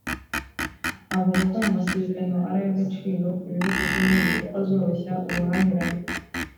avuga ko aya masezerano ari ay’agaciro ku bihugu byombi kuko azoroshya ubuhahirane